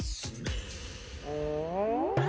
うん？